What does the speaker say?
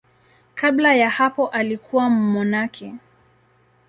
Kabla ya hapo alikuwa mmonaki.